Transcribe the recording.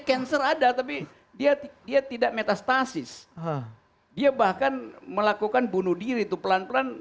cancer ada tapi dia dia tidak metastasis dia bahkan melakukan bunuh diri tuh pelan pelan